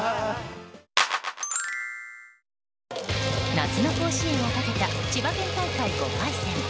夏の甲子園をかけた千葉県大会５回戦。